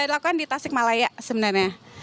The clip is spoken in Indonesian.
dilakukan di tasik malaya sebenarnya